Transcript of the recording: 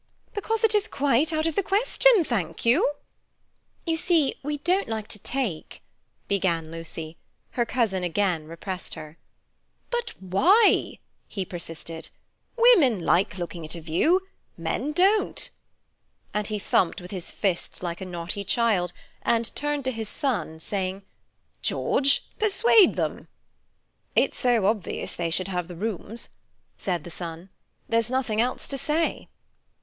"Because it is quite out of the question, thank you." "You see, we don't like to take—" began Lucy. Her cousin again repressed her. "But why?" he persisted. "Women like looking at a view; men don't." And he thumped with his fists like a naughty child, and turned to his son, saying, "George, persuade them!" "It's so obvious they should have the rooms," said the son. "There's nothing else to say."